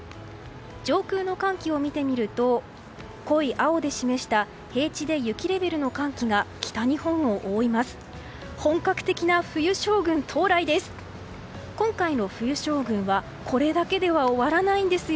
上空の寒気を見てみると濃い青で示した平地で雪レベルの寒気が北日本を覆います。